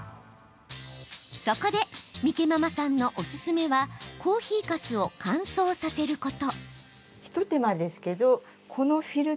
そこでみけままさんのおすすめはコーヒーかすを乾燥させること。